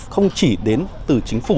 không chỉ đến từ chính phủ